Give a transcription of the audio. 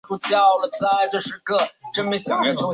查理布朗让飞机飞出了窗外。